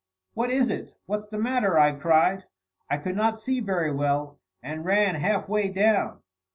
"What is it? What's the matter?" I cried. I could not see very well, and ran half way down.